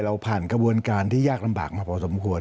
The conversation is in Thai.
เราผ่านกระบวนการที่ยากลำบากมาพอสมควร